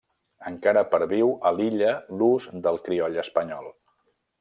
Encara perviu a l'illa l'ús del crioll espanyol.